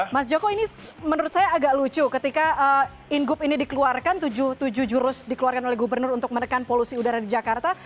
mas joko ini menurut saya agak lucu ketika ingup ini dikeluarkan tujuh jurus dikeluarkan oleh gubernur untuk menekan polusi udara di jakarta